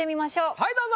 はいどうぞ。